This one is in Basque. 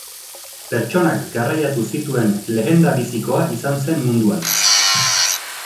Pertsonak garraiatu zituen lehendabizikoa izan zen munduan.